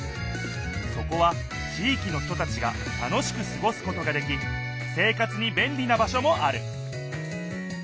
そこは地いきの人たちが楽しくすごすことができ生活にべんりな場所もある